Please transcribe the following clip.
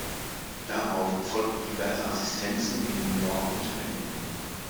Darauf folgten diverse Assistenzen in New York und Berlin.